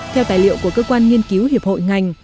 theo tài liệu của cơ quan nghiên cứu hiệp hội ngành